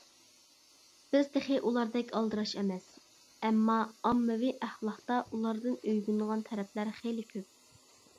بىز تېخى ئۇلاردەك ئالدىراش ئەمەس، ئەمما ئاممىۋى ئەخلاقتا ئۇلاردىن ئۆگىنىدىغان تەرەپلەر خىلى كۆپ.